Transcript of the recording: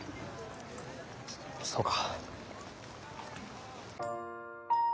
そそうか。